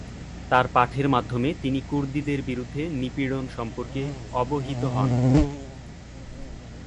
তার পাঠের মাধ্যমে, তিনি কুর্দিদের বিরুদ্ধে নিপীড়ন সম্পর্কে অবহিত হন।